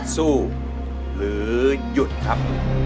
สู้หรือหยุดครับ